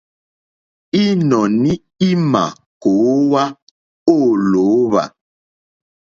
Ínɔ̀ní ímà kòówá ô lǒhwà.